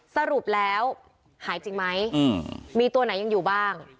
สรุปแล้วหายจริงไหมมีตัวไหนยังอยู่บ้าง